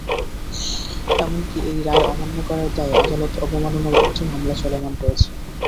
এমনকি এই রায় অমান্য করার দায়ে আদালত অবমাননার একটি মামলা চলমান রয়েছে।